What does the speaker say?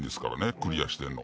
クリアしてるの。